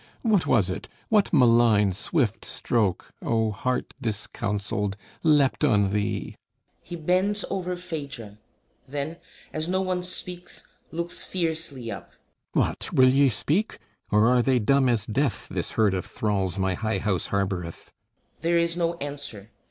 What was it? What malign Swift stroke, O heart discounselled, leapt on thee? [He bends over PHAEDRA; then, as no one speaks looks fiercely up.] What, will ye speak? Or are they dumb as death, This herd of thralls, my high house harboureth? [_There is no answer.